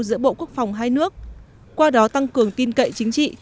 giữa bộ quốc phòng hai nước qua đó tăng cường tin cậy chính trị